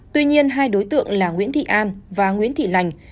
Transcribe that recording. tuy nhiên hai đối tượng là nguyễn thị an và nguyễn thị lành